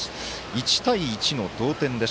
１対１の同点です。